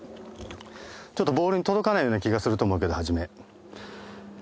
ちょっとボールに届かないような気がすると思うけどはじめ。